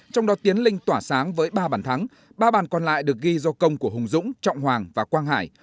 trong đó tiến linh tỏa sáng với ba bản thắng ba bàn còn lại được ghi do công của hùng dũng trọng hoàng và quang hải